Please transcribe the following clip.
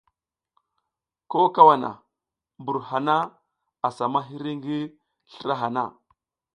Ko kawana mbur hana asa ma hiri ngi slra hana.